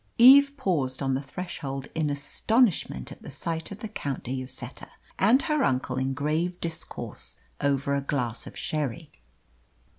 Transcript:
Eve paused on the threshold in astonishment at the sight of the Count de Lloseta and her uncle in grave discourse over a glass of sherry.